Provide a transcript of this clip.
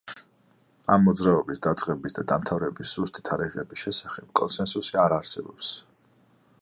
ამ მოძრაობის დაწყების და დამთავრების ზუსტი თარიღების შესახებ კონსენსუსი არ არსებობს.